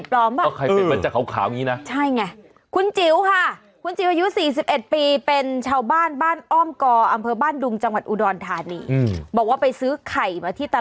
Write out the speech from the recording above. แล้วยังไงต่อ